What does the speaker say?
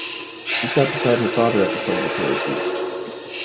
She sat beside her father at the celebratory feast.